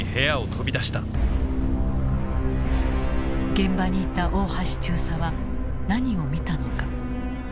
現場にいた大橋中佐は何を見たのか。